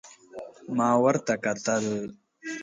ما ورته کتل ،